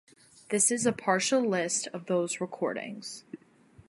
This is a partial list of those recordings.